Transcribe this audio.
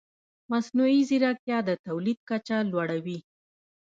مصنوعي ځیرکتیا د تولید کچه لوړه وي.